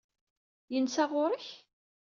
Yensa ɣur-k?